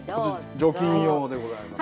除菌用でございますね。